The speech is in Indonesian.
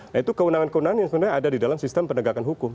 nah itu kewenangan kewenangan yang sebenarnya ada di dalam sistem penegakan hukum